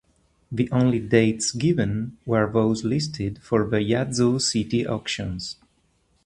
The only dates given were those listed for the Yazoo City actions.